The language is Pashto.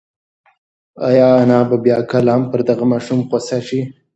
ایا انا به بیا کله هم پر دغه ماشوم غوسه شي؟